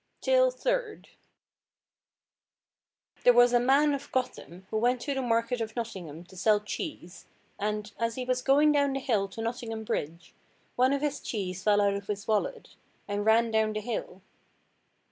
TALE THIRD. There was a man of Gotham who went to the market of Nottingham to sell cheese, and, as he was going down the hill to Nottingham bridge, one of his cheese fell out of his wallet, and ran down the hill.